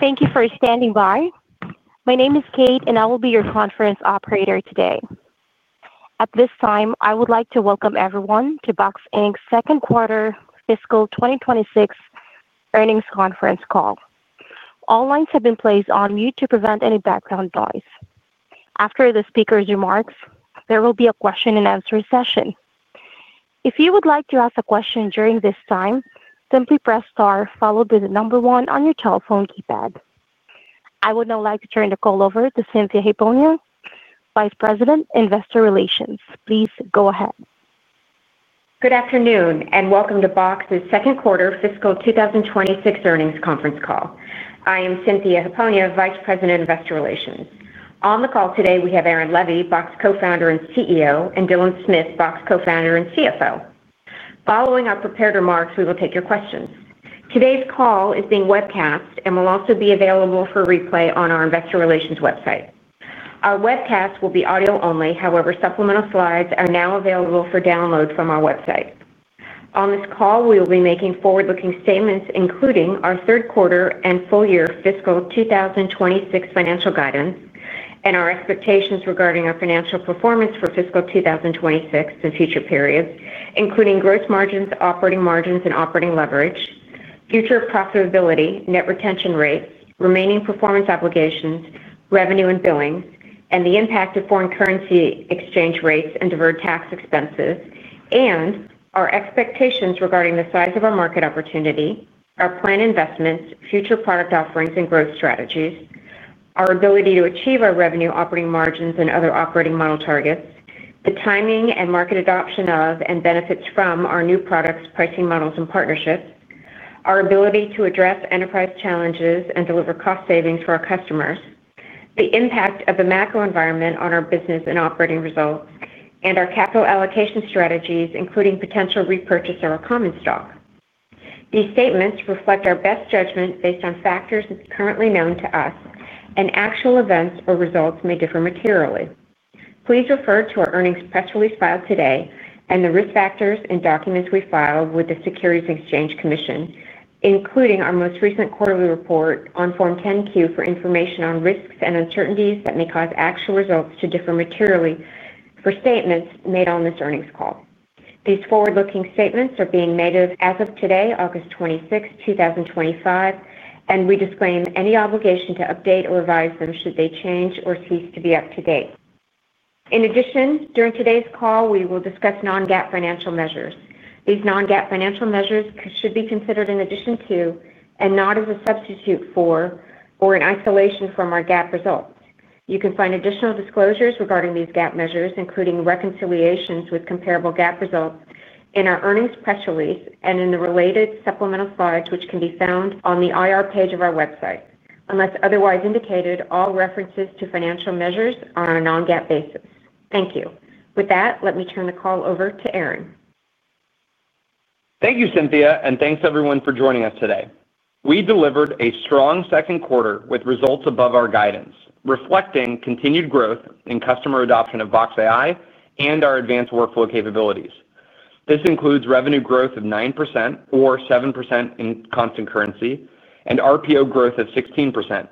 Thank you for standing by. My name is Kate and I will be your conference operator today. At this time I would like to welcome everyone to Box Inc Second Quarter Fiscal 2026 Earnings Conference Call. All lines have been placed on mute to prevent any background noise. After the speaker's remarks, there will be a question and answer session. If you would like to ask a question during this time, simply press star followed by the number one on your telephone keypad. I would now like to turn the call over to Cynthia Hiponia, Vice President, Investor Relations. Please go ahead. Good afternoon and welcome to Box's Second Quarter Fiscal 2026 Earnings Conference Call. I am Cynthia Hiponia, Vice President, Investor Relations. On the call today we have Aaron Levie, Box co-founder and CEO, and Dylan Smith, Box co-founder and CFO. Following our prepared remarks, we will take your questions. Today's call is being webcast and will also be available for replay on our Investor Relations website. Our webcast will be audio only. However, supplemental slides are now available for download from our website. On this call we will be making forward-looking statements including our third quarter and full year fiscal 2026 financial guidance and our expectations regarding our financial performance for fiscal 2026 and future periods, including gross margins, operating margin, operating leverage, future profitability, net retention rate, remaining performance obligations, revenue and billings, and the impact of foreign currency exchange rates and deferred tax expenses, and our expectations regarding the size of our market opportunity, our planned investments, future product offerings and growth strategies, our ability to achieve our revenue, operating margins and other operating model targets, the timing and market adoption of and benefits from our new products, pricing models and partnerships, our ability to address enterprise challenges and deliver cost savings for our customers, the impact of the macro environment on our business and operating results, and our capital allocation strategies including potential repurchase of our common stock. These statements reflect our best judgment based on factors currently known to us and actual events or results may differ materially. Please refer to our earnings press release filed today and the risk factors and documents we filed with the Securities and Exchange Commission, including our most recent quarterly report on Form 10-Q, for information on risks and uncertainties that may cause actual results to differ materially from statements made on this earnings call. These forward-looking statements are being made as of today, August 26, 2025, and we disclaim any obligation to update or revise them should they change or cease to be up to date. In addition, during today's call we will discuss non-GAAP financial measures. These non-GAAP financial measures should be considered in addition to and not as a substitute for or in isolation from our GAAP results. You can find additional disclosures regarding these GAAP measures, including reconciliations with comparable GAAP results, in our earnings press release and in the related supplemental slides, which can be found on the IR page of our website. Unless otherwise indicated, all references to financial measures are on a non-GAAP basis. Thank you. With that, let me turn the call over to Aaron. Thank you, Cynthia, and thanks everyone for joining us today. We delivered a strong second quarter with results above our guidance, reflecting continued growth in customer adoption of Box AI and our advanced workflow capabilities. This includes revenue growth of 9% or 7% in constant currency, and RPO growth of 16%.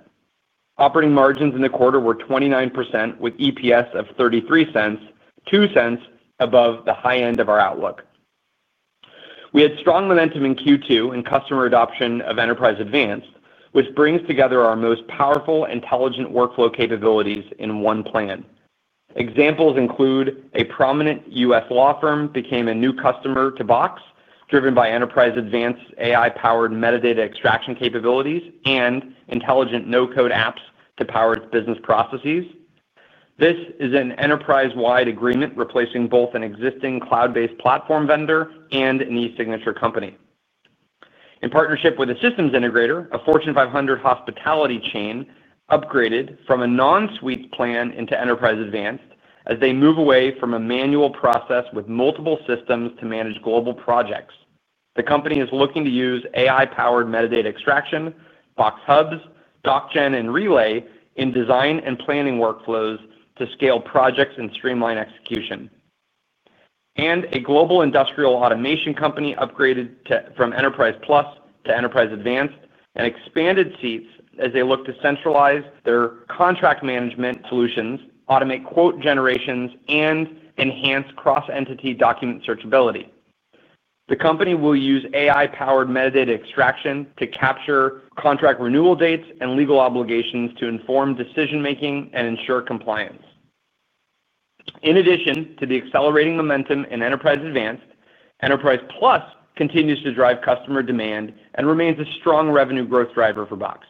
Operating margins in the quarter were 29%. With EPS of $0.33, $0.02 above the high end of our outlook, we had strong momentum in Q2 in customer adoption of Enterprise Advanced, which brings together our most powerful intelligent workflow capabilities in one plan. Examples include a prominent U.S. law firm became a new customer to Box driven. By Enterprise Advanced AI-powered metadata extraction. Capabilities and intelligent no code apps to power its business processes. This is an enterprise-wide agreement replacing both an existing cloud-based platform vendor and an e-signature company in partnership with the systems integrator. A Fortune 500 hospitality chain upgraded from a non-suite plan into Enterprise Advanced as they move away from a manual process with multiple systems to manage global projects. The company is looking to use AI-powered metadata extraction, Box Hubs, Doc Gen, and Relay in design and planning workflows to scale projects and streamline execution. A global industrial automation company upgraded from Enterprise Plus to Enterprise Advanced and expanded seats as they look to centralize their contract management solutions and automate quote generations. Enhance cross-entity document searchability. The company will use AI-powered metadata extraction to capture contract renewal dates and legal obligations to inform decision making and ensure compliance. In addition to the accelerating momentum in Enterprise Advanced, Enterprise Plus continues to drive customer demand and remains a strong revenue growth driver for Box.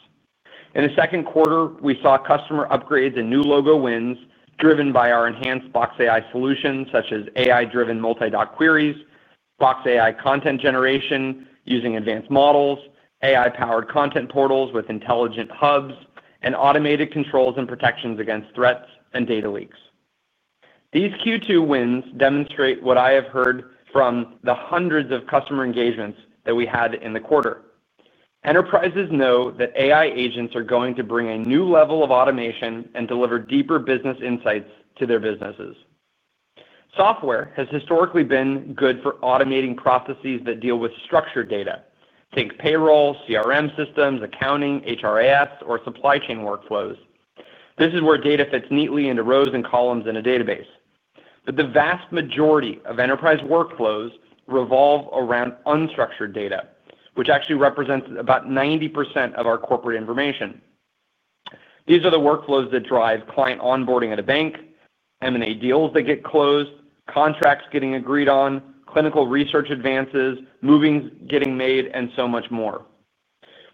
In the second quarter, we saw customer upgrades to new logo wins driven by our enhanced Box AI solutions such as AI-driven multi-dot queries, Box AI content generation using advanced models, AI-powered content portals with intelligent Hubs, and automated controls and protections against threats and data leaks. These Q2 wins demonstrate what I have heard from the hundreds of customer engagements that we had in the quarter. Enterprises know that AI agents are going. To bring a new level of automation and deliver deeper business insights to their businesses. Software has historically been good for automating processes that deal with structured data, think payroll, CRM systems, accounting, HRIS, or supply chain workflows. This is where data fits neatly into rows and columns in a database. The vast majority of enterprise workflows revolve around unstructured data, which actually represents about 90% of our corporate information. These are the workflows that drive client. Onboarding at a bank, M&A deals that get closed, contracts getting agreed on, clinical research advances, movings getting made, and so much more.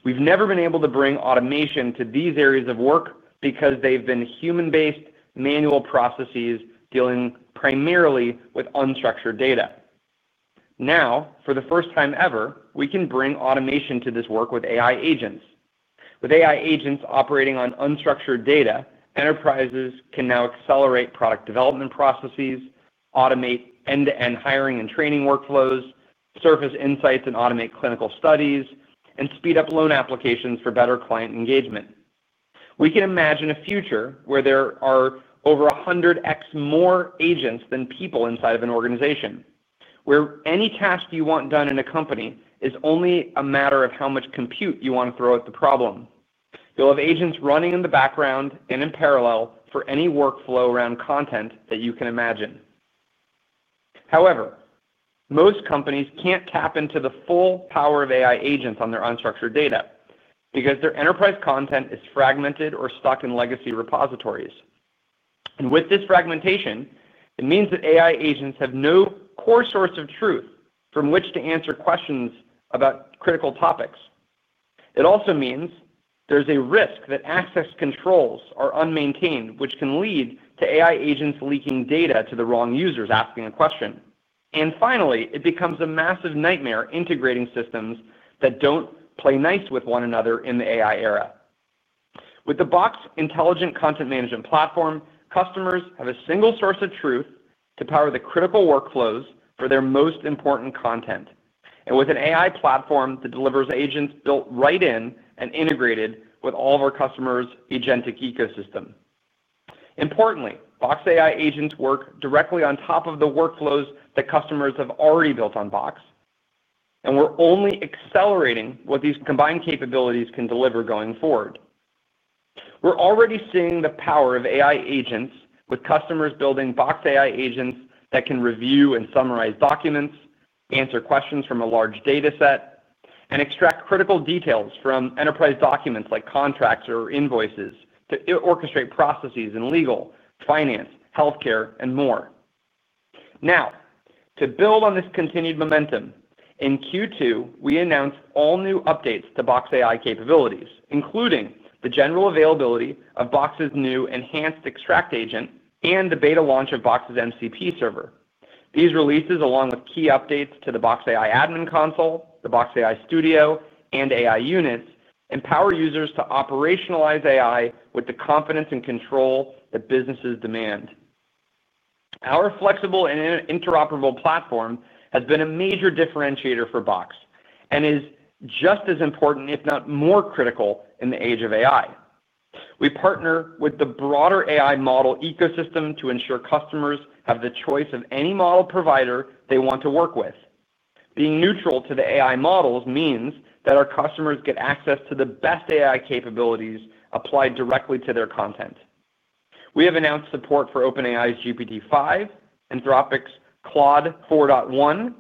We've never been able to bring automation to these areas of work because they've been human-based manual processes dealing primarily with unstructured data. Now, for the first time ever, we can bring automation to this work with AI agents. With AI agents operating on unstructured data, enterprises can now accelerate product development processes, automate end-to-end hiring and training workflows, surface insights and automate clinical studies, and speed up loan applications for better client engagement. We can imagine a future where there are over 100x more agents than people inside of an organization, where any task you want done in a company is only a matter of how much compute you want to throw at the problem. You'll have agents running in the background and in parallel for any workflow around content that you can imagine. However, most companies can't tap into the full power of AI agents on their unstructured data because their enterprise content is fragmented or stuck in legacy repositories. With this fragmentation, it means that AI agents have no core source of truth from which to answer questions about critical topics. It also means there's a risk that access controls are unmaintained, which can lead to AI agents leaking data to the wrong users asking a question. Finally, it becomes a massive nightmare integrating systems that don't play nice with one another. In the AI era, with the Box Intelligent Content Management platform, customers have a single source of truth to power the critical workflows for their most important content. With an AI platform that delivers agents built right in and integrated with all of our customers' agentic ecosystem. Importantly, Box AI agents work directly on top of the workflows that customers have already built on Box. We're only accelerating what these combined capabilities can deliver. Going forward, we're already seeing the power of AI agents with customers building Box AI agents that can review and summarize documents, answer questions from a large data. Set and extract critical details from enterprise. Documents like contracts or invoices to orchestrate processes in legal, finance, healthcare, and more. Now, to build on this continued momentum in Q2, we announced all new updates to Box AI capabilities, including the general availability of Box's new enhanced Extract Agent and the beta launch of Box's MCP Server. These releases, along with key updates to the Box AI Admin Console, the Box AI Studio, and AI Units, empower users to operationalize AI with the confidence and control that businesses demand. Our flexible and interoperable platform has been a major differentiator for Box and is just as important, if not more critical, in the age of AI. We partner with the broader AI model ecosystem to ensure customers have the choice of any model provider they want to work with. Being neutral to the AI models means that our customers get access to the. Best AI capabilities applied directly to their content. We have announced support for OpenAI's GPT-5, Anthropic's Claude 4.1,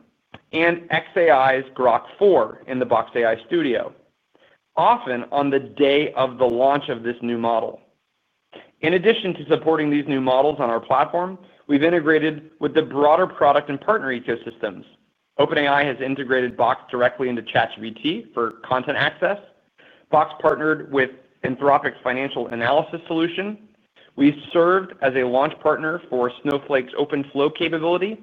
and xAI's Grok 4 in the Box AI Studio, often on the day of the launch of this new model. In addition to supporting these new models on our platform, we've integrated with the broader product and partner ecosystems. OpenAI has integrated Box directly into ChatGPT for content access. Box partnered with Anthropic's financial analysis solution, we served as a launch partner for Snowflake's OpenFlow capability,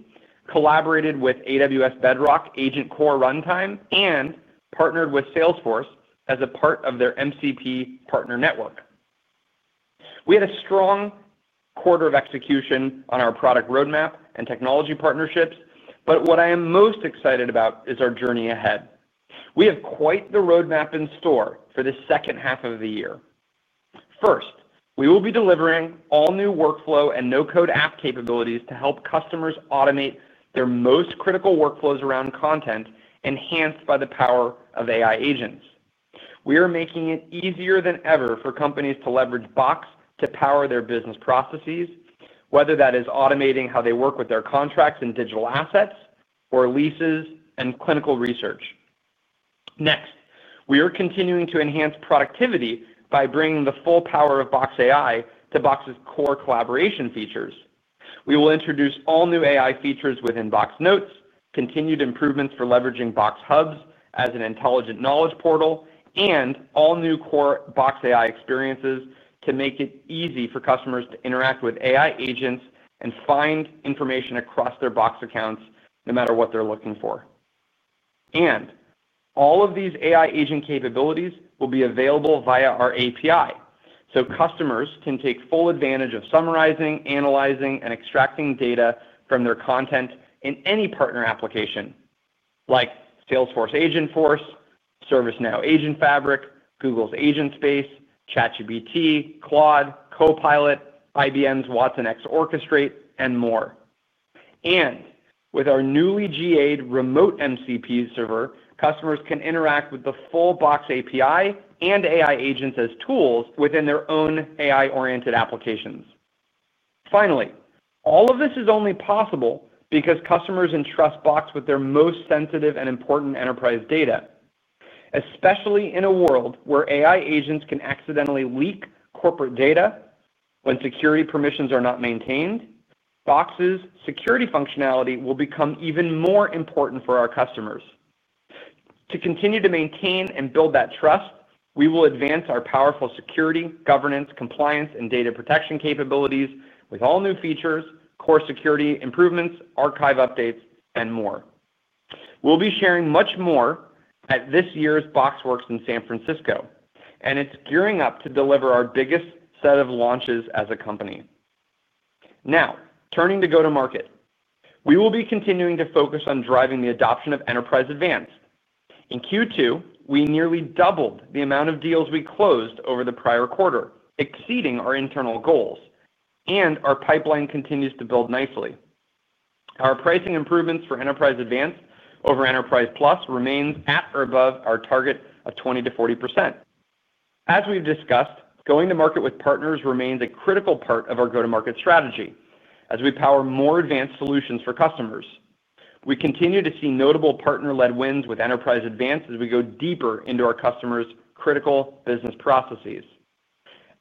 collaborated with AWS Bedrock Agent Core Runtime, and partnered with Salesforce as a part of their MCP Partner Network. We had a strong quarter of execution on our product roadmap and technology partnerships. What I am most excited about is our journey ahead. We have quite the roadmap in store for the second half of the year. First, we will be delivering all new workflow and no-code app capabilities to help customers automate their most critical workflows around content enhanced by the power of AI agents. We are making it easier than ever for companies to leverage Box to power their business processes, whether that is automating how they work with their contracts and digital assets or leases and clinical research. Next, we are continuing to enhance productivity by bringing the full power of Box AI to Box's core collaboration features. We will introduce all new AI features within Box Notes, continued improvements for leveraging Box Hubs as an intelligent knowledge portal, and all new core Box AI experiences to make it easy for customers to interact with AI agents and find information across their Box accounts no matter what they're looking for. All of these AI agent capabilities will be available via our API so customers can take full advantage of summarizing, analyzing, and extracting data from their content in any partner application like Salesforce, Agentforce, ServiceNow, Agent Fabric, Google's Agentspace, ChatGPT, Claude Copilot, IBM's watsonx Orchestrate, and more. With our newly GA-ed remote MCP Server, customers can interact with the full Box API and AI agents as tools within their own AI-oriented applications. Finally, all of this is only possible because customers entrust Box with their most sensitive and important enterprise data, especially in a world where AI agents can accidentally leak corporate data. When security permissions are not maintained, Box's security functionality will become even more important for our customers to continue to maintain and build that trust. We will advance our powerful security, governance, compliance, and data protection capabilities with all new features, core security improvements, archive updates, and more. We'll be sharing much more at this year's BoxWorks in San Francisco, and it's gearing up to deliver our biggest set of launches as a company. Now turning to go-to-market, we will be. Continuing to focus on driving the adoption. Of Enterprise Advanced in Q2, we nearly doubled the amount of deals we closed over the prior quarter, exceeding our internal goals, and our pipeline continues to build nicely. Our pricing improvements for Enterprise Advanced over Enterprise Plus remain at or above our target of 20%-40%. As we've discussed, going to market with partners remains a critical part of our go-to-market strategy as we power more advanced solutions for customers. We continue to see notable partner-led wins with Enterprise Advanced as we go deeper into our customers' critical business processes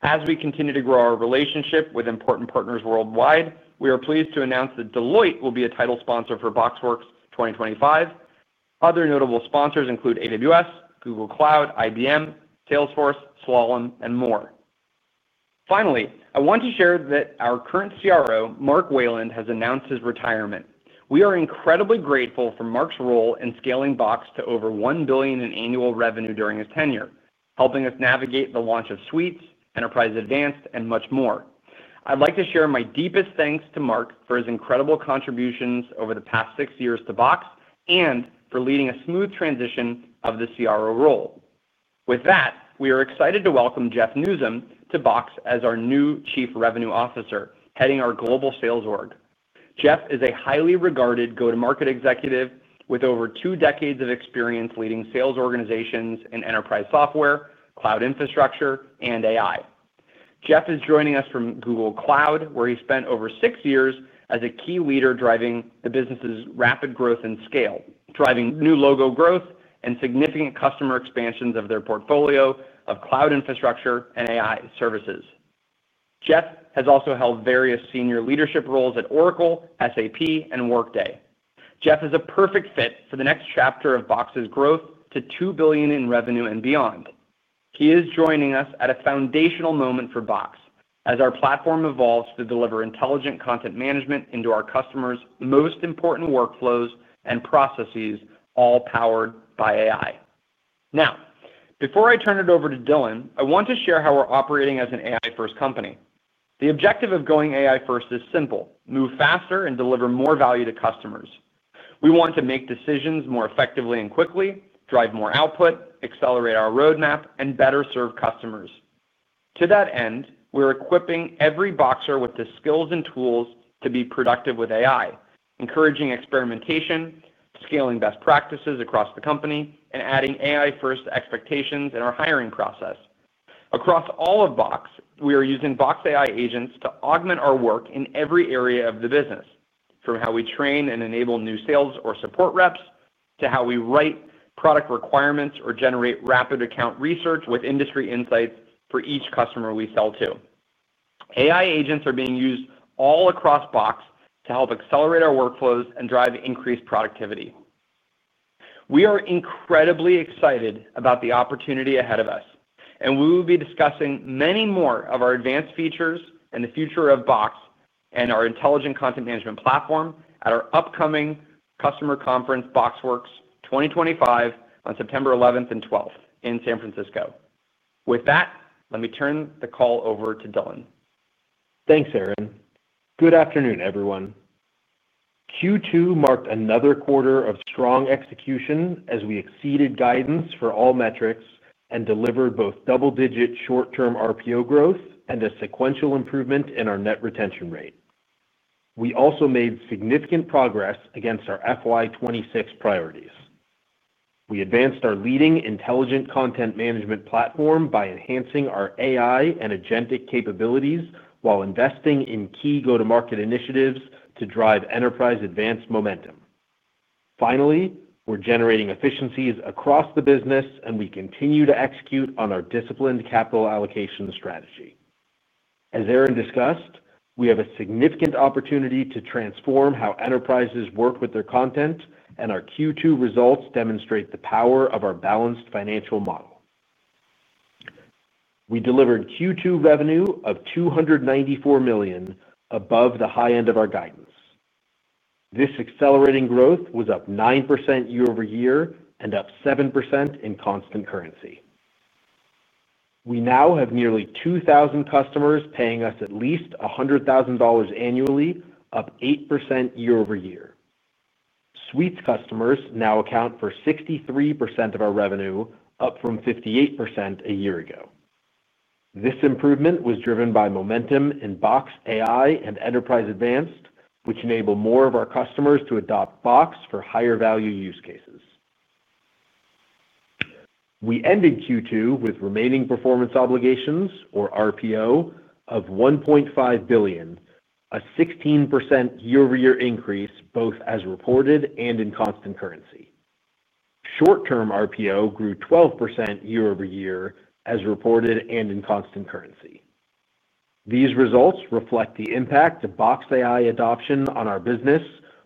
as we continue to grow our relationship with important partners worldwide. We are pleased to announce that Deloitte will be a title sponsor for BoxWorks 2025. Other notable sponsors include AWS, Google Cloud, IBM, Salesforce, Slalom, and more. Finally, I want to share that our current CRO, Mark Wayland, has announced his retirement. We are incredibly grateful for Mark's role in scaling Box to over $1 billion in annual revenue during his tenure, helping. Us navigate the launch of suites, Enterprise Advanced and much more. I'd like to share my deepest thanks to Mark for his incredible contributions over the past six years to Box and for leading a smooth transition of the CRO role. With that, we are excited to welcome Jeff Nuzum to Box as our new Chief Revenue Officer heading our global sales org. Jeff is a highly regarded go to. Market executive with over two decades of. Experience leading sales organizations in enterprise software, cloud infrastructure, and AI. Jeff is joining us from Google Cloud, where he spent over six years and was a key leader driving the business's rapid growth and scale, driving new logo growth and significant customer expansions of their portfolio of cloud infrastructure and AI services. Jeff has also held various senior leadership roles at Oracle, SAP, and Workday. Jeff is a perfect fit for the next chapter of Box's growth to $2 billion in revenue and beyond. He is joining us at a foundational moment for Box as our platform evolves to deliver intelligent content management into our customers' most important workflows and processes, all powered by AI. Now, before I turn it over to Dylan, I want to share how we're operating as an AI-first company. The objective of going AI-first is simple: move faster and deliver more value to customers. We want to make decisions more effectively and quickly, drive more output, accelerate our roadmap, and better serve customers. To that end, we're equipping every Boxer with the skills and tools to be productive with AI, encouraging experimentation, scaling best practices across the company, and adding AI-first expectations in our hiring process across all of Box. We are using Box AI agents to augment our work in every area of the business, from how we train and enable new sales or support reps to how we write product requirements or generate rapid account research with industry insights. For each customer we sell to, AI agents are being used all across Box to help accelerate our workflows and drive increased productivity. We are incredibly excited about the opportunity ahead of us, and we will be discussing many more of our advanced features and the future of Box and our Intelligent Content Management platform at our upcoming customer conference, BoxWorks 2025, on September 11th and 12th in San Francisco. With that, let me turn the call over to Dylan. Thanks Aaron. Good afternoon everyone. Q2 marked another quarter of strong execution as we exceeded guidance for all metrics and delivered both double-digit short-term RPO growth and a sequential improvement in our net retention rate. We also made significant progress against our FY 2026 priorities. We advanced our leading Intelligent Content Management platform by enhancing our AI and agentic capabilities while investing in key go-to-market initiatives to drive Enterprise Advanced momentum. Finally, we're generating efficiencies across the business, and we continue to execute on our disciplined capital allocation strategy. As Aaron discussed, we have a significant opportunity to transform how enterprises work with their content, and our Q2 results demonstrate the power of our balanced financial model. We delivered Q2 revenue of $294 million, above the high end of our guidance. This accelerating growth was up 9% year-over-year and up 7% in constant currency. We now have nearly 2,000 customers paying us at least $100,000 annually, up 8% year-over-year. Suites customers now account for 63% of our revenue, up from 58% a year ago. This improvement was driven by momentum in Box AI and Enterprise Advanced, which enable more of our customers to adopt Box for higher value use cases. We ended Q2 with remaining performance obligations, or RPO, of $1.5 billion, a 16% year-over-year increase both as reported and in constant currency. Short-term RPO grew 12% year-over-year as reported and in constant currency. These results reflect the impact of Box AI adoption on our business,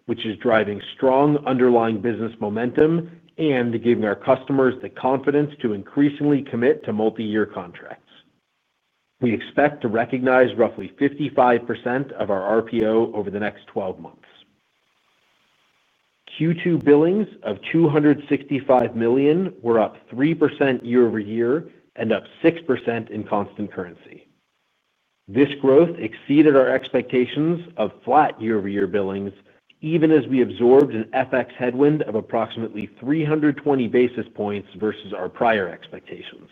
which is driving strong underlying business momentum and giving our customers the confidence to increasingly commit to multi-year contracts. We expect to recognize roughly 55% of our RPO over the next 12 months. Q2 billings of $265 million were up 3% year-over-year and up 6% in constant currency. This growth exceeded our expectations of flat year-over-year billings, even as we absorbed an FX headwind of approximately 320 basis points versus our prior expectations.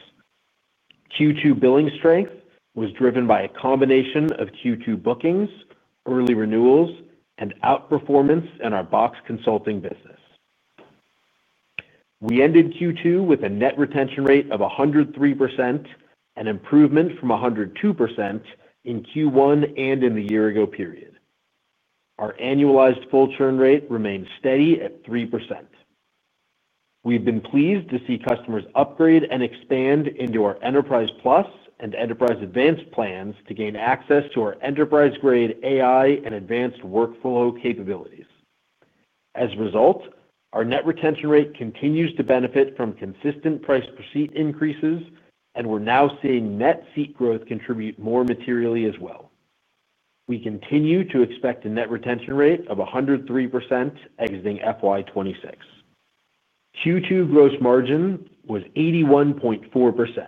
Q2 billing strength was driven by a combination of Q2 bookings, early renewals, and outperformance in our Box Consulting business. We ended Q2 with a net retention rate of 103%, an improvement from 102% in Q1 and in the year-ago period. Our annualized full churn rate remains steady at 3%. We've been pleased to see customers upgrade and expand into our Enterprise Plus and Enterprise Advanced plans to gain access to our enterprise-grade AI and advanced workflow capabilities. As a result, our net retention rate continues to benefit from consistent price per seat increases, and we're now seeing net seat growth contribute more materially as well. We continue to expect a net retention rate of 103%. Exiting FY 2026 Q2, gross margin was 81.4%,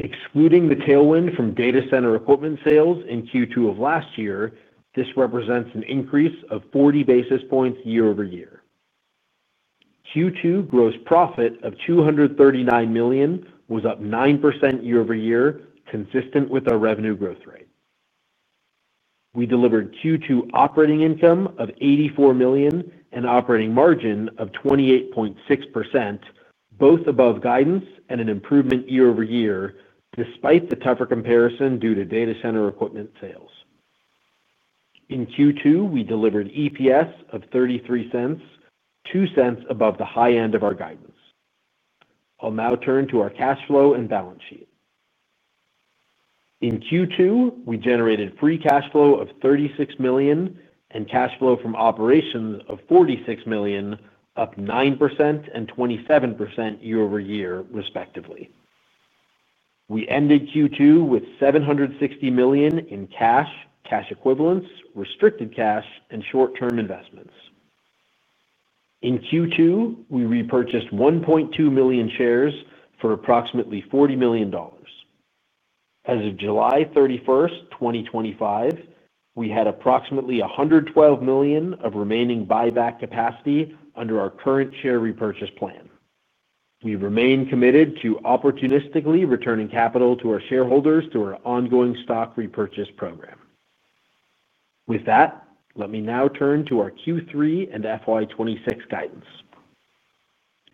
excluding the tailwind from data center equipment sales in Q2 of last year. This represents an increase of 40 basis points year-over-year. Q2 gross profit of $239 million was up 9% year-over-year, consistent with our revenue growth rate. We delivered Q2 operating income of $84 million and operating margin of 28.6%, both above guidance and an improvement year-over-year. Despite the tougher comparison due to data center equipment sales in Q2, we delivered EPS of $0.33, $0.02 above the high end of our guidance. I'll now turn to our cash flow and balance sheet. In Q2, we generated free cash flow of $36 million and cash flow from operations of $46 million, up 9% and 27% year-over-year, respectively. We ended Q2 with $760 million in cash, cash equivalents, restricted cash, and short-term investments. In Q2, we repurchased 1.2 million shares for approximately $40 million. As of July 31st, 2025, we had approximately $112 million of remaining buyback capacity under our current share repurchase plan. We remain committed to opportunistically returning capital to our shareholders through our ongoing stock repurchase program. With that, let me now turn to our Q3 and FY 2026 guidance.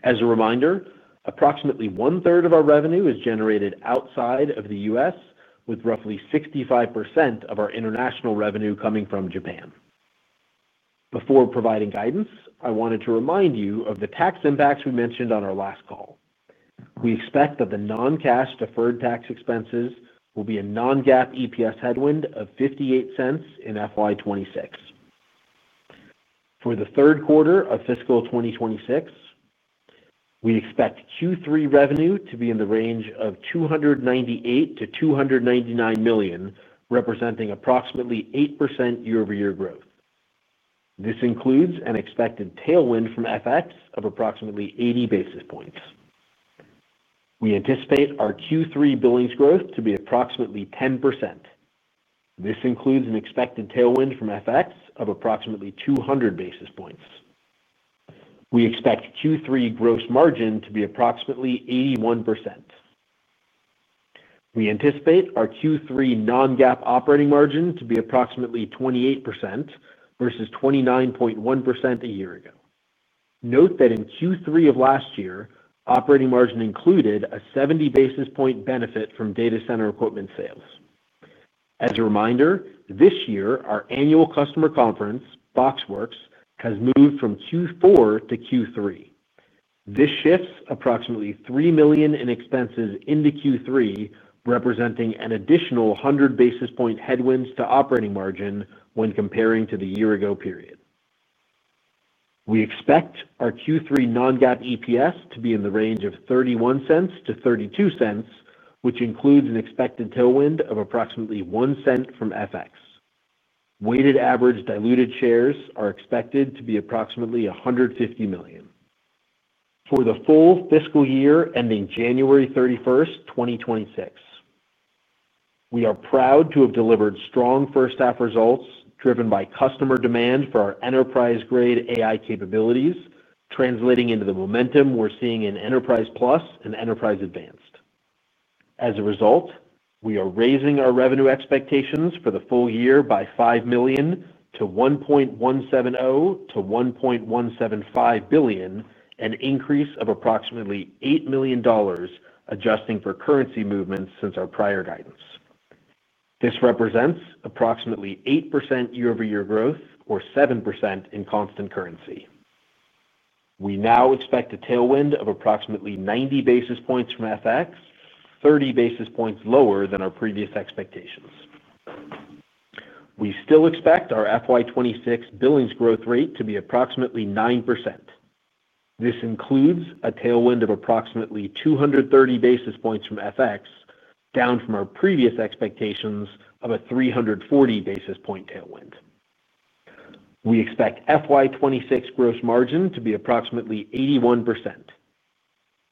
As a reminder, approximately 1/3 of our revenue is generated outside of the U.S., with roughly 65% of our international revenue coming from Japan. Before providing guidance, I wanted to remind you of the tax impacts we mentioned on our last call. We expect that the non-cash deferred tax expenses will be a non-GAAP EPS headwind of $0.58 in FY 2026. For the third quarter of fiscal 2026, we expect Q3 revenue to be in the range of $298 million-$299 million, representing approximately 8% year-over-year growth. This includes an expected tailwind from FX of approximately 80 basis points. We anticipate our Q3 billings growth to be approximately 10%. This includes an expected tailwind from FX of approximately 200 basis points. We expect Q3 gross margin to be approximately 81%. We anticipate our Q3 non-GAAP operating margin to be approximately 28% versus 29.1% a year ago. Note that in Q3 of last year, operating margin included a 70 basis point benefit from data center equipment sales. As a reminder, this year our annual customer conference BoxWorks has moved from Q4 to Q3. This shifts approximately $3 million in expenses into Q3, representing an additional 100 basis point headwind to operating margin when comparing to the year ago period. We expect our Q3 non-GAAP EPS to be in the range of $0.31-$0.32, which includes an expected tailwind of approximately $0.01 from FX. Weighted average diluted shares are expected to be approximately 150 million for the full fiscal year ending January 31, 2026. We are proud to have delivered strong first half results driven by customer demand for our enterprise grade AI capabilities, translating into the momentum we're seeing in Enterprise Plus and Enterprise Advanced. As a result, we are raising our revenue expectations for the full year by $5 million to $1.170 billion to $1.175 billion, an increase of approximately $8 million adjusting for currency movements. Since our prior guidance, this represents approximately 8% year-over-year growth or 7% in constant currency. We now expect a tailwind of approximately 90 basis points from FX, 30 basis points lower than our previous expectations. We still expect our FY 2026 billings growth rate to be approximately 9%. This includes a tailwind of approximately 230 basis points from FX, down from our previous expectations of a 340 basis point tailwind. We expect FY 2026 gross margin to be approximately 81%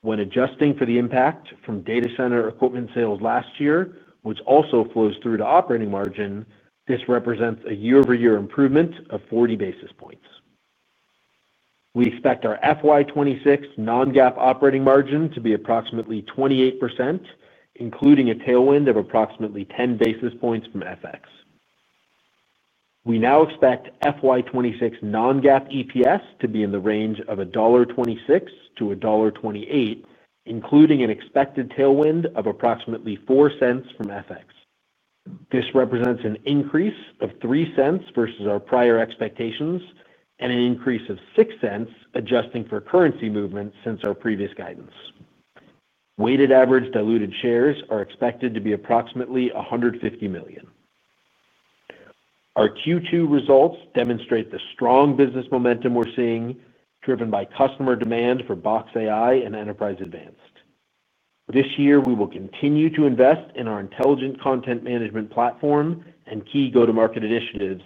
when adjusting for the impact from data center equipment sales last year, which also flows through to operating margin. This represents a year-over-year improvement of 40 basis points. We expect our FY 2026 non-GAAP operating margin to be approximately 28%, including a tailwind of approximately 10 basis points from FX. We now expect FY 2026 non-GAAP EPS to be in the range of $1.26-$1.28, including an expected tailwind of approximately $0.04 from FX. This represents an increase of $0.03 versus our prior expectations and an increase of $0.06 adjusting for currency movements since our previous guidance. Weighted average diluted shares are expected to be approximately 150 million. Our. Q2 results demonstrate the strong business momentum we're seeing driven by customer demand for Box AI and Enterprise Advanced. This year we will continue to invest in our Intelligent Content Management platform and key go-to-market initiatives,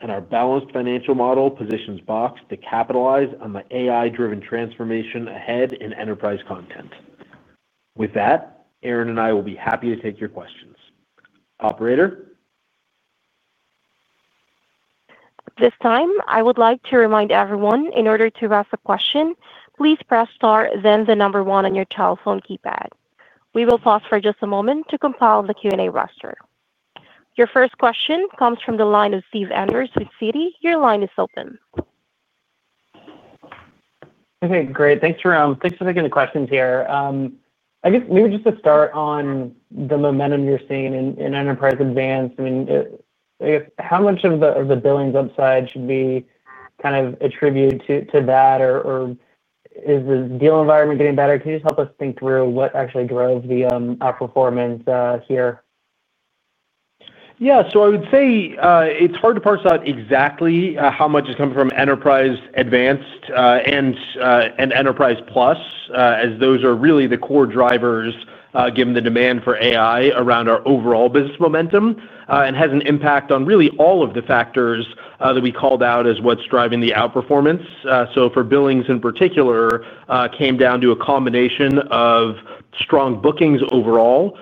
and our balanced financial model positions Box to capitalize on the AI-driven transformation ahead in enterprise content. With that, Aaron and I will be happy to take your questions. Operator. This time I would like to remind everyone in order to ask a question please press star then the number one on your telephone keypad. We will pause for just a moment to compile the Q&A roster. Your first question comes from the line of Steve Enders with Citi. Your line is open. Okay, great. Thanks. Thanks for taking the questions here. I guess maybe just to start on the momentum you're seeing in Enterprise Advanced, I mean how much of the billings upside should be kind of attributed to that, or is the deal environment getting better? Can you just help us think through what actually drove the outperformance here? Yeah, I would say it's hard to parse out exactly how much is coming from Enterprise Advanced and Enterprise Plus, as those are really the core drivers given the demand for AI around our overall business momentum and has an impact on really all of the factors that we called out as what's driving the outperformance. For billings in particular, it came down to a combination of strong bookings, overall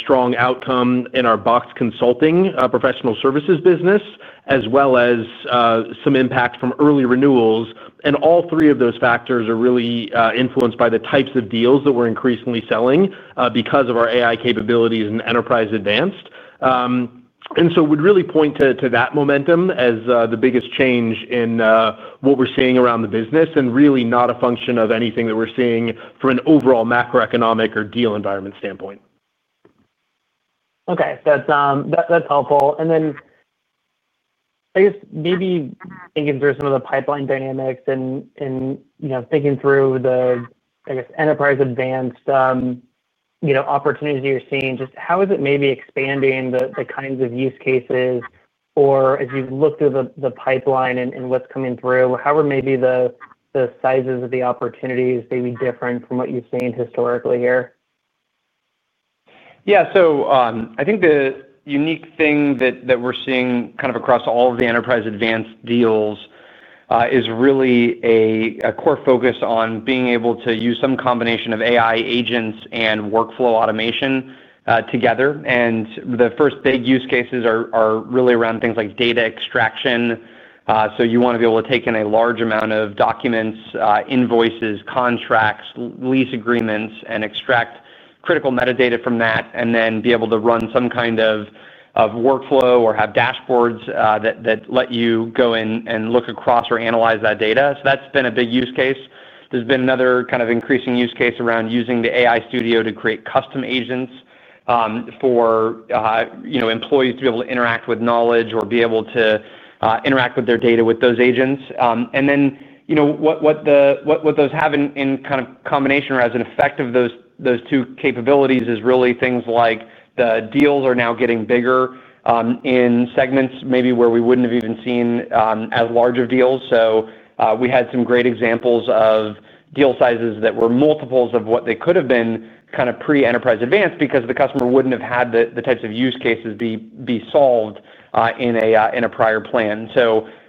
strong outcome in our Box Consulting professional services business, as well as some impact from early renewals. All three of those factors are really influenced by the types of deals that we're increasingly selling because of our AI capabilities and Enterprise Advanced. We'd really point to that momentum as the biggest change in what we're seeing around the business and really not a function of anything that we're seeing from an overall macroeconomic or deal environment standpoint. Okay, that's helpful. I guess maybe thinking through some of the pipeline dynamics and thinking through the Enterprise Advanced opportunities, you're seeing just how is it maybe expanding the kinds of use cases or as you look through the pipeline and what's coming through, how would maybe the sizes of the opportunities maybe be different from what you've seen historically here? Yeah, I think the unique thing. What we're seeing across all of the Enterprise Advanced deals is really. A core focus on being able to use some combination of AI agents and workflow automation together. The first big use cases are really around things like data extraction. You want to be able to take in a large amount of documents, invoices, contracts, lease agreements, and extract critical metadata from that, and then be able to run some kind of workflow or have dashboards that let you go in and look across or analyze that data. That's been a big use case. There's been another kind of increasing use case around using the AI Studio to create custom agents for employees to be. Able to interact with knowledge or be. Able to interact with their data with those agents. What those have in combination or as an effect of those two capabilities is really things like the deals are now getting bigger in segments maybe where we wouldn't have even seen as large of deals. We had some great examples of. Deal sizes that were multiples of what. They could have been kind of pre-Enterprise Advanced because the customer wouldn't have had the types of use cases be solved in a prior plan.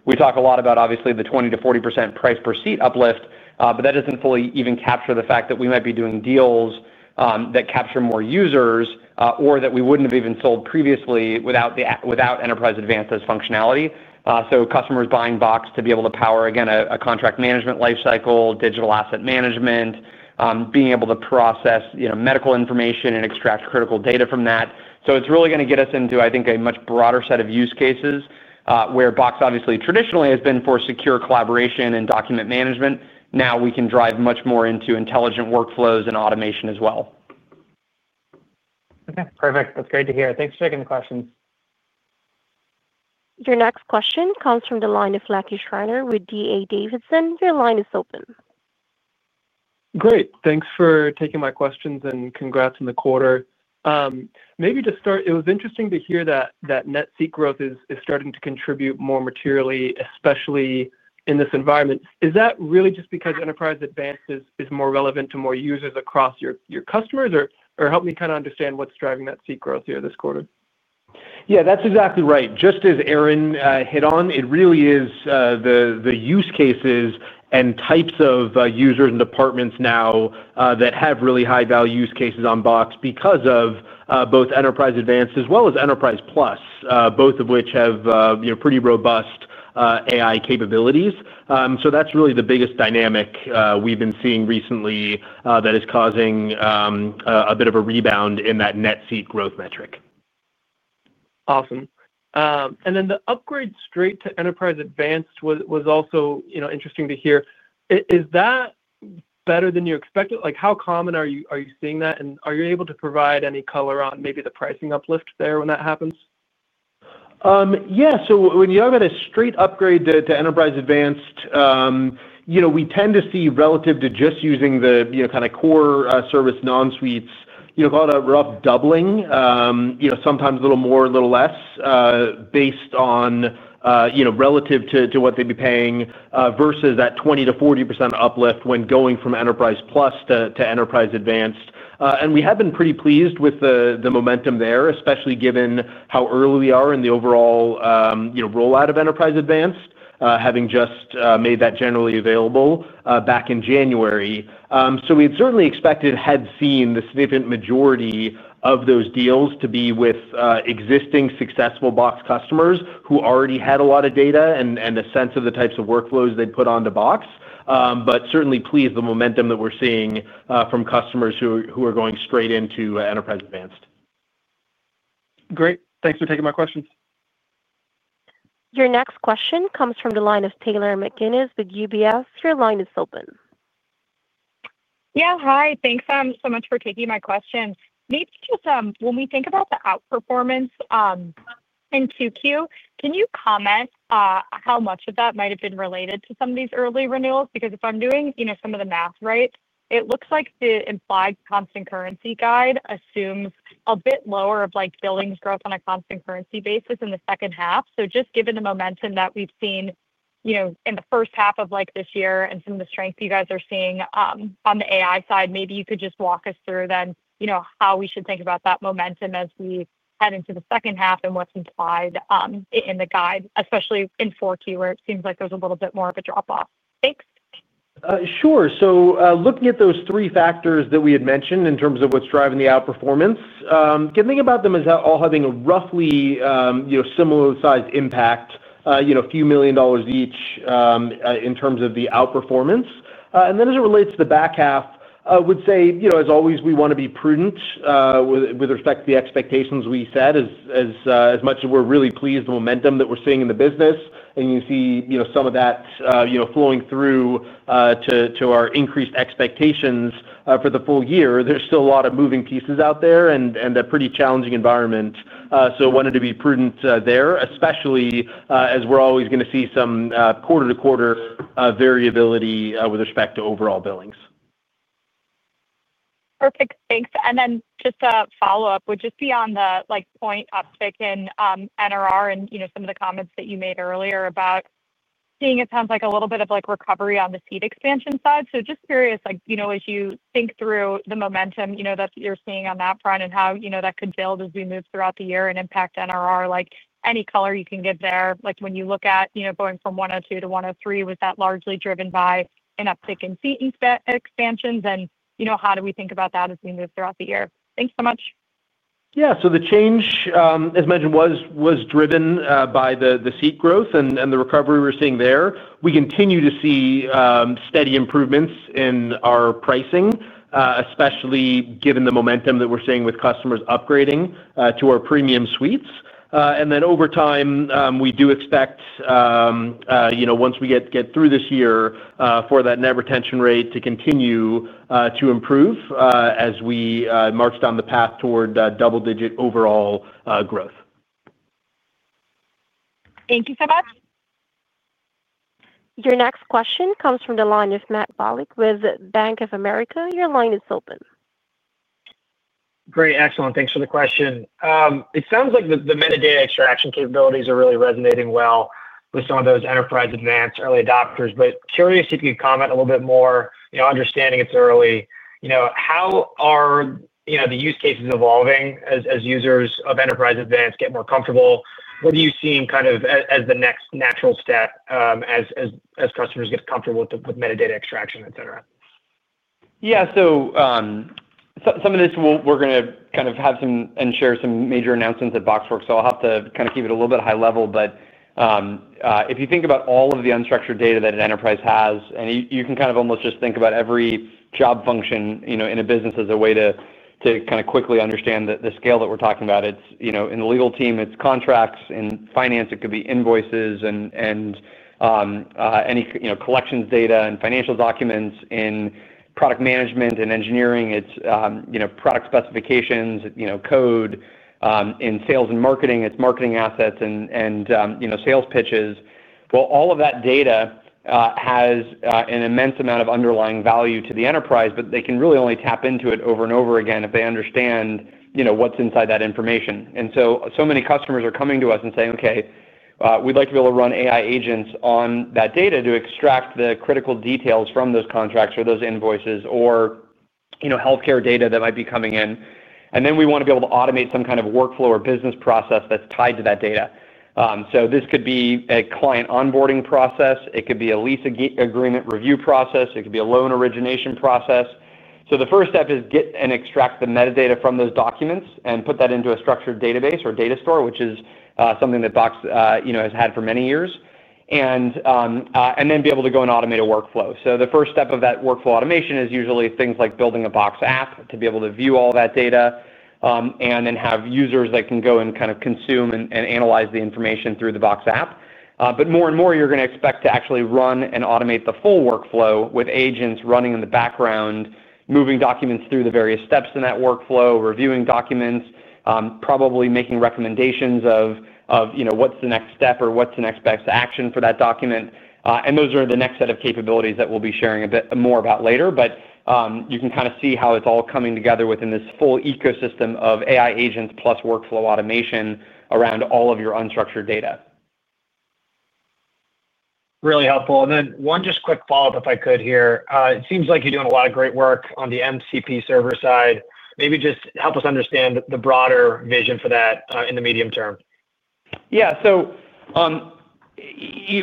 We talk a lot about obviously the 20%-40% price per seat uplift, but that doesn't fully even capture the fact that we might be doing deals that capture more users or that we wouldn't have even sold previously without Enterprise Advanced as functionality. Customers are buying Box to be able to power, again, a contract management lifecycle, digital asset management, being able to process medical information and extract critical data from that. It's really going to get us into, I think, a much broader set of use cases where Box obviously traditionally has been for secure collaboration and document management. Now we can drive much more into intelligent workflows and automation as well. Okay, perfect. That's great to hear. Thanks for taking the question. Your next question comes from the line of Lucky Schreiner with D.A. Davidson. Your line is open. Great, thanks for taking my questions. Congrats on the quarter. Maybe to start, it was interesting to hear that net seat growth is starting to contribute more materially, especially in this environment. Is that really just because Enterprise Advanced is more relevant to more users across your customers, or help me kind of understand what's driving that seat growth here this quarter? Yeah, that's exactly right. Just as Aaron hit on, it really is the use cases and types of users and departments now that have really high value use cases on Box because of both Enterprise Advanced as well as Enterprise Plus, both of which have pretty robust AI capabilities. That's really the biggest dynamic we've been seeing recently that is causing a. Bit of a rebound in that net seat growth metric. Awesome. The upgrade straight to Enterprise Advanced was also interesting to hear. Is that better than you expected? How common are you seeing that, and are you able to provide any color on maybe the pricing uplift there when that happens? Yeah, when you have a straight. Upgrade to Enterprise Advanced, you know, we tend to see relative to just using the kind of core service non suites, you call it a rough doubling, you know, sometimes a little more, a little less based on, you know, relative to what they'd be paying versus that 20%-40% uplift when going from Enterprise Plus to Enterprise Advanced. We have been pretty pleased with the momentum there, especially given how early we are in the overall rollout of Enterprise Advanced, having just made that generally available back in January. We had certainly expected, had seen. The significant majority of those deals, too. Be with existing successful Box customers who already had a lot of data and a sense of the types of workflows. They'd put onto Box. Certainly, please, the momentum that we're seeing from customers who are going straight into Enterprise Advanced. Great. Thanks for taking my questions. Your next question comes from the line of Taylor McGinnis with UBS. Your line is open. Yeah, hi, thanks so much for taking my question. Maybe just when we think about the outperformance in 2Q, can you comment how much of that might have been related to some of these early renewals? Because if I'm doing some of the math right, it looks like the implied constant currency guide assumes a bit lower of like billings growth on a constant currency basis in the second half. Just given the momentum that we've seen in the first half of this year and some of the strength you guys are seeing on the AI side, maybe you could just walk us through then how we should think about that momentum as we head into the second half and what's implied in the guide, especially in 4Q where it seems like there's a little bit more of a drop off. Thanks. Sure. Looking at those three factors that. We had mentioned in terms of what's. Driving the outperformance, can think about them as all having a roughly similar sized impact, you know, a few million dollars each in terms of the outperformance. As it relates to the back half, would say, you know, as always we want to be prudent with. respect to the expectations we set as. As much as we're really pleased with the momentum that we're seeing in the business, you see some of that flowing through to our increased expectations for the full year. There's still a lot of moving pieces. Out there in a pretty challenging environment. Wanted to be prudent there, especially as we're always going to see some quarter to quarter variability with respect to overall billings. Perfect, thanks. Just a follow up would be on the point uptick in NRR and some of the comments that you made earlier about seeing it sounds like a little bit of recovery on the seat expansion side. Just curious as you think through the momentum that you're seeing on that front and how that could build as we move throughout the year and impact NRR, any color you can give there. When you look at going from 102% to 103%, was that largely driven by an uptick in seat expansions and how do we think about that as we move throughout the year? Thanks so much. Yeah, the change as mentioned was driven by the seat growth and the recovery we're seeing there. We continue to see steady improvements in our pricing, especially given the momentum that we're seeing with customers upgrading to our premium suites. Over time, we do expect, you know, once we get through this year for that net retention rate to continue to improve as we march down the path toward double digit overall growth. Thank you so much. Your next question comes from the line of Matt Bullock with Bank of America. Your line is open. Great. Excellent. Thanks for the question. It sounds like the metadata extraction capabilities are really resonating well with some of those Enterprise Advanced early adopters. Curious if you comment a little bit more, understanding it's early, how are the use cases evolving as users of Enterprise Advanced get more comfortable? What are you seeing as the next natural step as customers get comfortable with metadata extraction, etc. Yeah, some of this we're going to kind of have and share some major announcements at BoxWorks, so I'll. Have to kind of keep it. Little bit high-level. If you think about all of. The unstructured data that an enterprise has, and you can kind of almost just think about every job function in a business as a way to kind of quickly understand the scale that we're talking about. In the legal team, it's contracts. In finance, it could be invoices and any collections data and financial documents. In product management and engineering, it's product specifications, code. In sales and marketing, it's marketing assets and sales pitches. All of that data has an immense amount of underlying value to the enterprise, but they can really only tap. Into it over and over again. They understand what's inside that information. So many customers are coming to us and saying, okay, we'd like to be able to run AI agents on that data to extract the critical details from those contracts or those invoices or healthcare data that might be coming in. We want to be able to automate some kind of workflow or business process that's tied to that data. This could be a client onboarding process, it could be a lease agreement review process, it could be a loan origination process. The first step is get and extract the metadata from those documents and put that into a structured database or data store, which is something that Box has had for many years, and then be able to go and automate a workflow. The first step of that workflow automation is usually things like building a Box app to be able to view all that data and then have users that can go and kind of consume and analyze the information through the Box app. More and more you're going to. Expect to actually run and automate the full workflow with AI agents running in the background, moving documents through the various steps in that workflow, reviewing documents, probably making recommendations of, you know, what's the next step or what's the next best action for that document. Those are the next set of capabilities that we'll be sharing a bit more about later. You can kind of see how it's all coming together within this full ecosystem of AI agents plus workflow automation. Around all of your unstructured data. Really helpful. One just quick follow up, if I could here. It seems like you're doing a lot of great work on the MCP Server side. Maybe just help us understand the broader vision for that in the medium term, yeah. So. We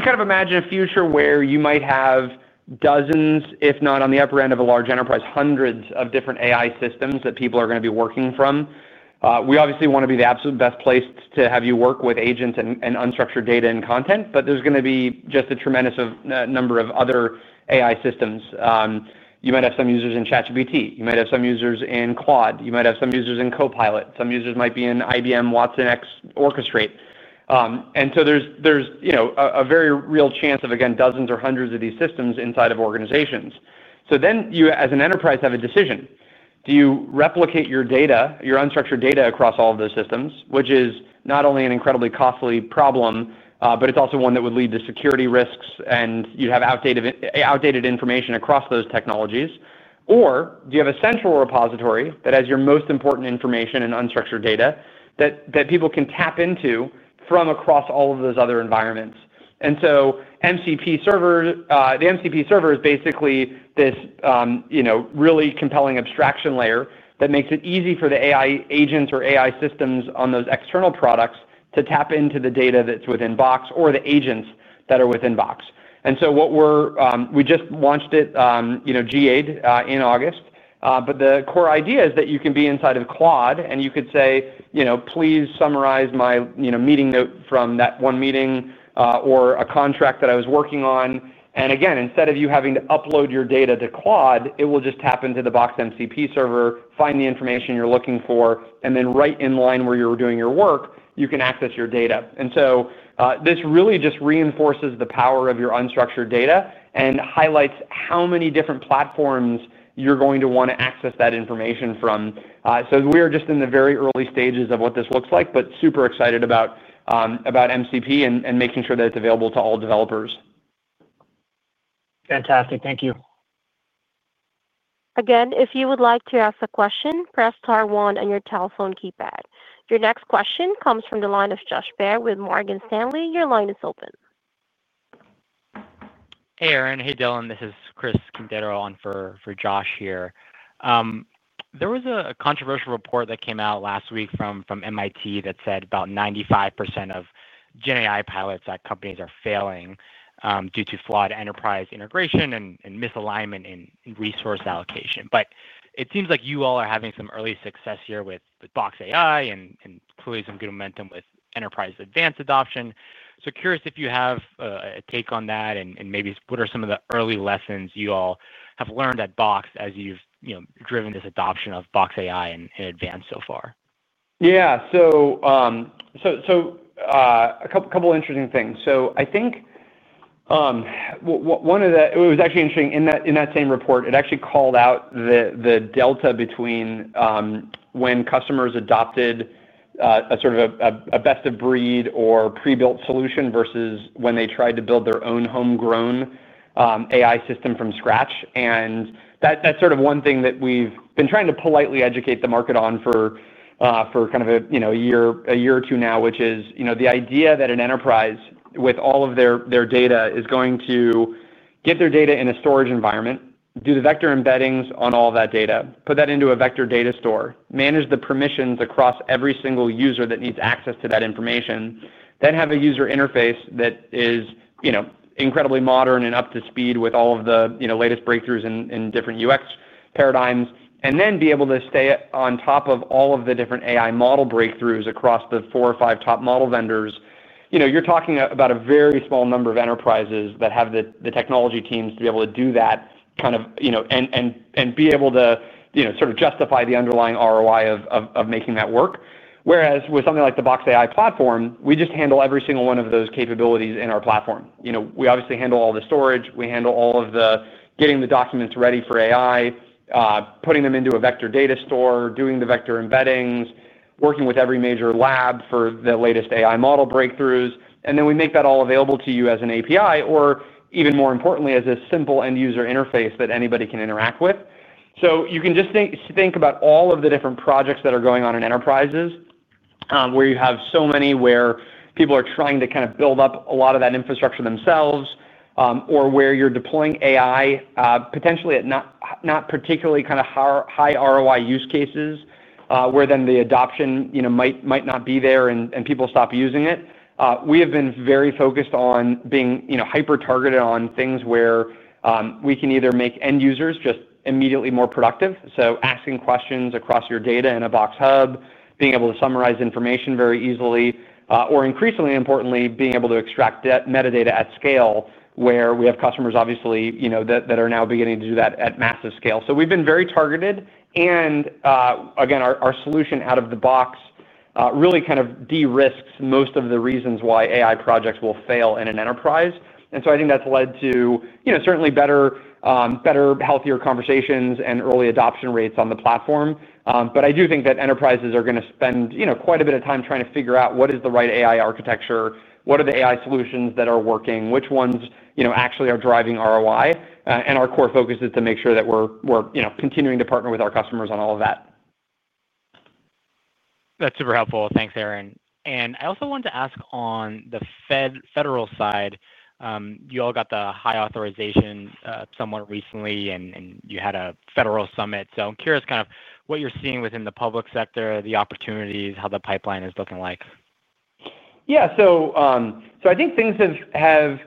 kind of imagine a future where you might have dozens, if not hundreds, of AI agents working on your behalf. On the upper end of a large. Enterprise, hundreds of different AI systems that people are going to be working from. We obviously want to be the absolute best place to have you work with agents and unstructured data and content. There's going to be just a tremendous number of other AI systems. You might have some users in ChatGPT, you might have some users in QuAD, you might have some users in Copilot, some users might be in IBM, watsonx Orchestrate. There's a very real chance of again, dozens or. Hundreds of these systems inside of organizations. You as an enterprise have a decision. Do you replicate your data, your unstructured? Data across all of those systems, which Is not only an incredibly costly problem, but it's also one that would lead to security risks, and you have outdated. Information across those technologies, or do you have a central repository that has your. Most important information and unstructured data. People can tap into from across all of those other environments? The MCP Server is basically this really compelling abstraction layer that makes it easy for the AI agents or AI systems on those external products to tap into the data that's within Box or the agents that are within Box. We just launched it GA-ed in August. The core idea is that you can be inside of Claude and you could say, please summarize my meeting note from that one meeting or a contract that I was working on. Instead of you having to. Upload your data to Claude, it will. Just happen to the Box MCP Server, find the information you're looking for, and then right in line where you're doing. Your work, you can access your data. This really just reinforces the power of your unstructured data and highlights how many different platforms you're going to want to access that information from. We are just in the very. Early stages of what this looks like. Super excited about MCP and making sure that it's available to all developers. Fantastic, thank you. Again. If you would like to ask a question, press star one on your telephone keypad. Your next question comes from the line of Josh Baer with Morgan Stanley. Your line is open. Hey, Aaron. Hey, Dylan. This is Chris Quintero on for Josh here. There was a controversial report that came. Out last week from MIT that said about 95% of GenAI pilots at companies are failing due to flawed enterprise integration and misalignment in resource allocation. It seems like you all are having some early success here with Box AI and clearly some good momentum with Enterprise Advanced adoption. I am curious if you have a take on that and maybe what are some of the early lessons you all have learned at Box as you've driven this adoption of Box AI and Enterprise Advanced so far. Yeah, so. A couple interesting things. I think. It was actually interesting in that same report. It actually called out the delta between when customers adopted a sort of a best of breed or pre-built solution. Versus when they tried to build theirs. Own homegrown AI system from scratch. That's sort of one thing that we've been trying to politely educate the market on for a year, a year or two now, which is the. Idea that an enterprise with all of. Their data is going to get. Their data in a storage environment do. The vector embeddings on all that data. Put that into a vector data store. Manage the permissions across every single user that needs access to that information. Have a user interface that is you. Incredibly modern and up to speed with all of the latest breakthroughs in different UX paradigms, and then be able to stay on top of. All of the different AI model breakthroughs. Across the four or five top model vendors, you're talking about a very small number of enterprises that have the technology teams to be able to do that kind of, you know, and be able to, you know, sort of justify the underlying ROI of making that work. Whereas with something like the Box AI platform, we just handle every single one of those capabilities in our platform. We obviously handle all the. Storage, we handle all of the getting. The documents ready for AI, putting them. Into a vector data store, doing the Vector embeddings, working with every major lab. For the latest AI model breakthroughs. We make that all available. To you as an API or, even more importantly, as a simple end user. Interface that anybody can interact with. You can just think about all of the different projects that are going on in enterprises where you have so many, where people are trying to kind. Of build up a lot of that. Infrastructure themselves, or where you're deploying AI potentially at not particularly kind of high ROI use cases where the adoption might not be there and people stop using it. We have been very focused on being hyper targeted on things where we can either make end users just immediately more productive, like asking questions across your data in a Box Hub, being able to summarize. Information very easily, or increasingly importantly, being. Able to extract metadata at scale, where we have customers, obviously, that are now beginning to do that at massive scale. We have been very targeted. Our solution out of the box really kind of de-risks most of the reasons why AI projects will. Fail in an enterprise. I think that's led to certainly better, healthier conversations and early adoption. Rates on the platform. I do think that enterprises are going to spend quite a bit of time trying to figure out what is the right AI architecture, what are the AI solutions that are working, which ones actually are driving ROI. Our core focus is to make sure that we're continuing to partner with. Our customers on all of that. That's super helpful. Thanks, Aaron. I also wanted to ask on the federal side, you all got the high authorization somewhat recently and you had a federal summit. I'm curious, kind of what you're seeing within the public sector, the opportunities, how the pipeline is looking like. Yeah, I think things have.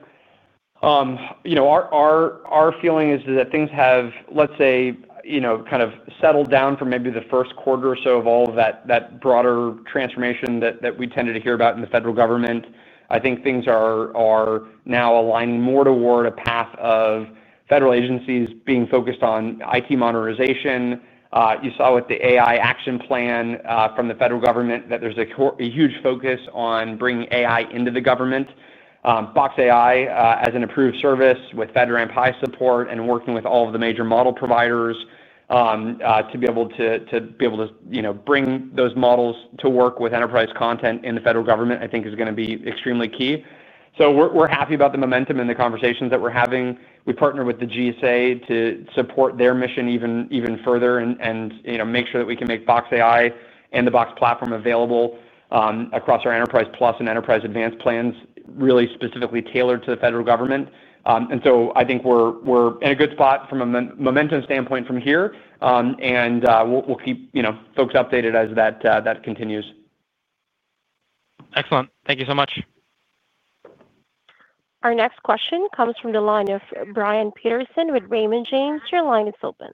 You. Our feeling is that things have. Let's say, you know, kind of settled. Down for maybe the first quarter. Of all of that broader transformation that we tended to hear about in the federal government, I think things are now aligned more toward a path of federal agencies being focused on IT modernization. You saw with the AI Action Plan from the federal government that there's a huge focus on bringing AI into the government. Box AI as an approved service with FedRAMP. High support and working with all of. The major model providers to be able to bring those models to work with enterprise content in the federal government, I think is going to be extremely key. We're happy about the momentum and the conversations that we're having. We partner with the GSA to support their mission even further and make sure that we can make Box AI and the Box platform available across our Enterprise Plus and Enterprise Advanced plans, really specifically tailored to the federal government. I think we're in a good spot from a momentum standpoint from here, and we'll keep folks updated as that continues. Excellent. Thank you so much. Our next question comes from the line of Brian Peterson with Raymond James. Your line is open.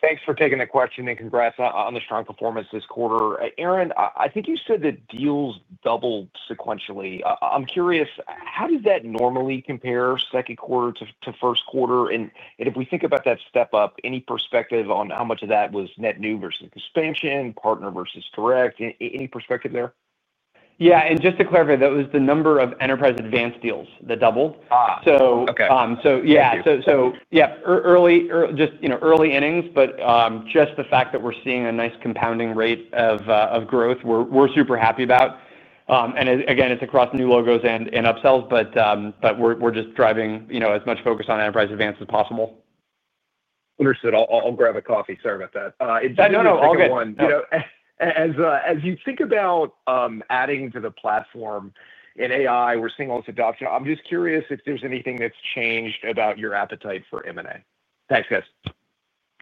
Thanks for taking the question, and congrats on the strong performance this quarter. Aaron, I think you said that deals doubled sequentially. I'm curious, how does that normally compare second quarter to first quarter? If we think about that step up, any perspective on how much of that was net new vs expansion, partner vs direct? Any perspective there? Just to clarify, that was the. Number of Enterprise Advanced deals that doubled. Just early innings, but just the fact. That we're seeing a nice compounding rate. We're super happy about the growth. It's across new logos and upsells, and we're just driving as much focus on Enterprise Advanced as possible. Understood. I'll grab a coffee, serve at that. As you think about adding to. The platform in AI, we're seeing all this adoption. I'm just curious if there's anything that's changed about your appetite for M&A. Thanks guys.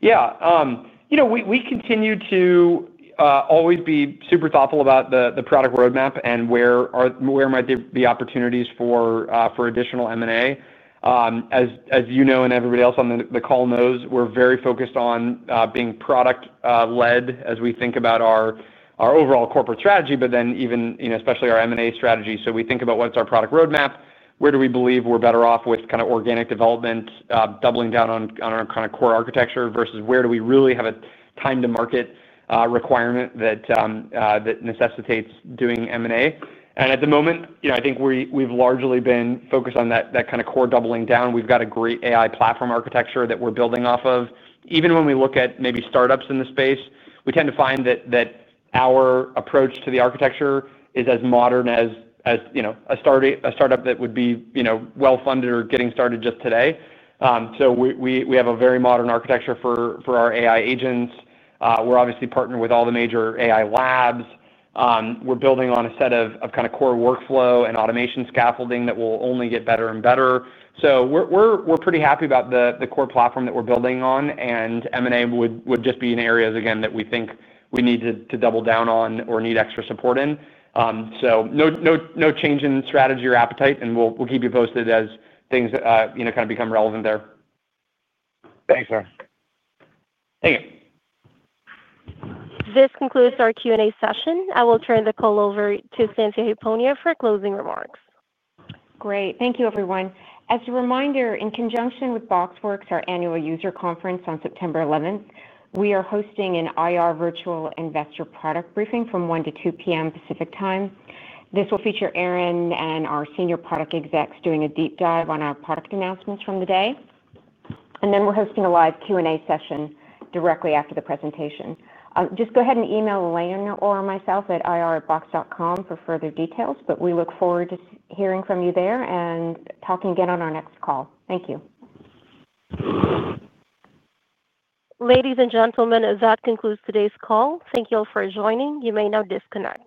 Yeah, you know, we continue to always. Be super thoughtful about the product roadmap and where are, where might be opportunities for additional M&A. As you know, and everybody else on the call knows, we're very focused on being product led as we think about. Our overall corporate strategy. Even, you know, especially our M&A strategy, we think about what's our product roadmap, where do we believe we're better off with kind of organic development doubling down on our kind of core architecture versus. Where do we really have time. To market requirement that necessitates doing M&A? At the moment, I think we've largely been focused on that core doubling down. We've got a great AI platform architecture that we're building off of. Even when we look at maybe startups. In the space, we tend to find that our approach to the architecture is as modern as a startup that would be well funded or getting started just today. We have a very modern architecture for our AI agents. We're obviously partnered with all the major AI labs. We're building on a set of core workflow and automation scaffolding that will only. Get better and better. We're pretty happy about the core platform that we're building on. M&A would just be in areas again that we think we need to double down on or need extra support in. There's no change in strategy or appetite, and we'll keep you posted as things kind of become relevant there. Thanks. This concludes our Q&A session. I will turn the call over to Cynthia Hiponia for closing remarks. Great. Thank you everyone. As a reminder, in conjunction with BoxWorks, our annual user conference, on September 11th, we are hosting an IR Virtual Investor Product Briefing from 1:00 P.M. to 2:00 P.M. Pacific Time. This will feature Aaron and our senior product execs doing a deep dive on our product announcements from the day. We are hosting a live Q&A session directly after the presentation. Just go ahead and email Lane or myself at irox.com for further details. We look forward to seeing, hearing from you there and talking again on our next call. Thank you. Ladies and gentlemen, that concludes today's call. Thank you all for joining. You may now disconnect.